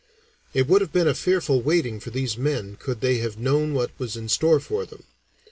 It would have been a fearful waiting for these men could they have known what was in store for them.